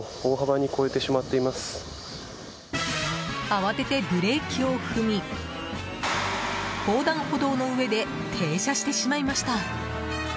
慌ててブレーキを踏み横断歩道の上で停車してしまいました。